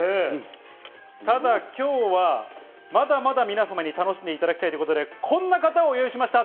ただ今日は、まだまだ皆様に楽しんでいただきたいということで、こんな方をお呼びしました。